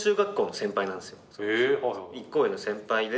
１個上の先輩で。